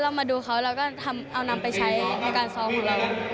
เรามาดูเขานำไปในการซอลของเรา